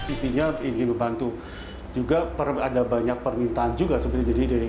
intinya ingin membantu juga ada banyak permintaan juga sebenarnya